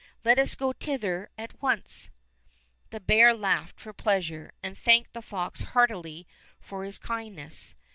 Let us go thither at once." The bear laughed for pleasure, and thanked the fox heartily for his kindness.